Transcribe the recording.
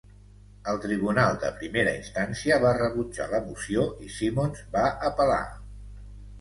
El tribunal de primera instància va rebutjar la moció i Simmons va apel·lar.